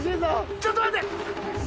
ちょっと待って！